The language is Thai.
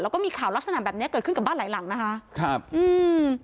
แล้วก็มีข่าวลักษณะแบบเนี้ยเกิดขึ้นกับบ้านหลายหลังนะคะครับอืม